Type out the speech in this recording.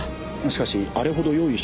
しかしあれほど用意